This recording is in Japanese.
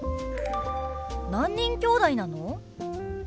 何人きょうだいなの？